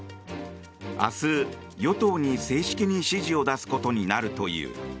明日、与党に正式に指示を出すことになるという。